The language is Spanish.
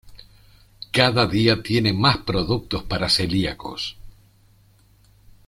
Cada día tienen más productos para celíacos.